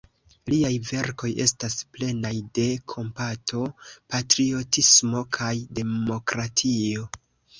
Liaj verkoj estas plenaj de kompato, patriotismo kaj demokratio.